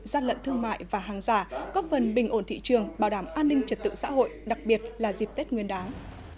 gian lận thương mại và hàng giả góp vần bình ổn thị trường bảo đảm an ninh trật tự xã hội đặc biệt là dịp tết nguyên đáng